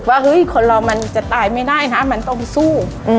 แล้วเขาไม่อยู่